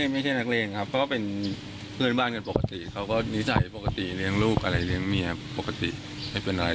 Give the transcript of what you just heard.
ไม่ได้เลี้ยงเมียปกติไม่เป็นอะไร